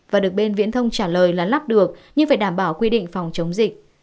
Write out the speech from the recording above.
và được bên viễn thông trả lời là lắp được nhưng phải đảm bảo quy định phòng chống dịch